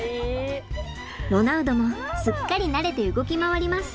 ロナウドもすっかり慣れて動き回ります。